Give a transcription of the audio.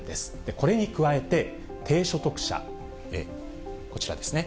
これに加えて、低所得者、こちらですね。